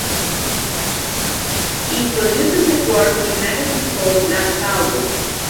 It produces a quarterly magazine called "Black Powder".